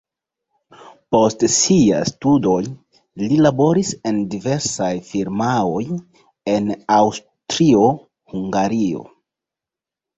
Post siaj studoj li laboris en diversaj firmaoj en Aŭstrio-Hungario.